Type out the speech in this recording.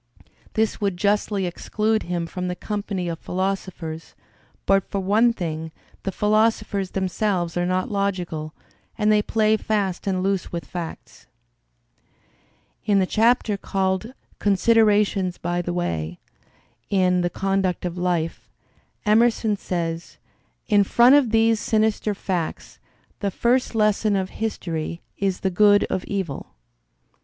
This would justly exclude him from the company of philosophers, but for one thing: the philosophers themselves are not logical, and they play fast and loose with facts. In the chapter called "Considerations by the Way" in "The Conduct of Life," Emerson says: "In front of these sinister facts, the first lesson of history is the good of evil."